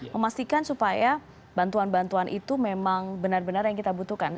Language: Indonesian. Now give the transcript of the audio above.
memastikan supaya bantuan bantuan itu memang benar benar yang kita butuhkan